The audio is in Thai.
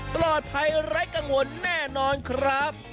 ปลอดภัยไร้กังวลแน่นอนครับ